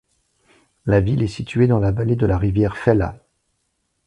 La ville est située dans la vallée de la rivière Fella.